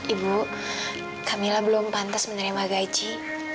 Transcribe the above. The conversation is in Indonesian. ibu camilla belum pantas menerima gaji